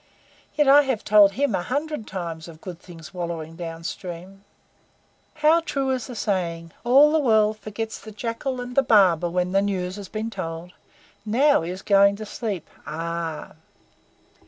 Yet I have told HIM a hundred times of good things wallowing down stream. How true is the saying, 'All the world forgets the Jackal and the Barber when the news has been told!' Now he is going to sleep! Arrh!"